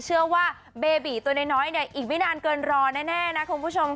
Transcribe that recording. เชื่อว่าเบบีตัวน้อยเนี่ยอีกไม่นานเกินรอแน่นะคุณผู้ชม